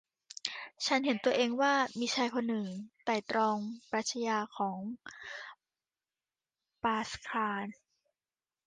ฉันเห็นตัวเองว่ามีชายคนหนึ่งไตร่ตรองปรัชญาของปาสคาล